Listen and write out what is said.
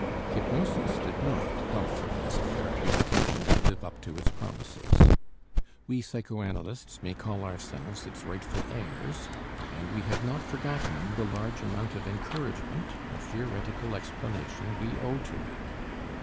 Hypnotism did not, however, as a therapeutic agent, live up to its promises; we psychoanalysts may call ourselves its rightful heirs, and we have not forgotten the large amount of encouragement and theoretical explanation we owe to it.